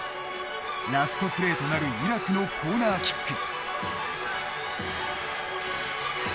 ラストプレーとなるイラクのコーナーキック。